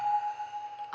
あ